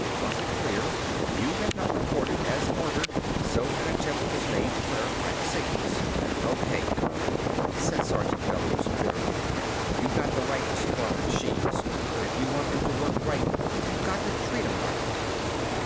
It wasn't clear. You had not reported, as ordered, so an attempt was made to clarify the signals." "Okay, Colonel!" said Sergeant Bellews bitterly. "You got the right to spoil machines! But if you want them to work right you got to treat 'em right!"